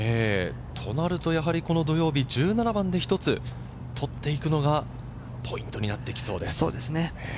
となると土曜日、１７番で１つとっていくのがポイントになってきそうです。